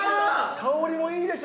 香りもいいでしょ？